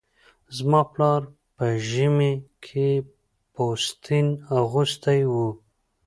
زما پلاره به ژمي کې پوستين اغوستی و